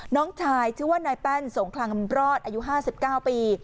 น้องชายชื่อว่านายแป้นสงคลังรอดอายุ๕๙ปี